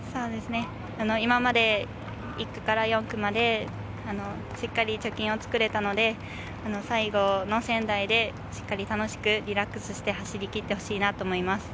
今まで１区から４区まで、しっかり貯金をつくれたので、最後の仙台で、しっかり楽しくリラックスして走り切ってほしいなと思います。